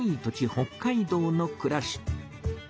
北海道のくらし。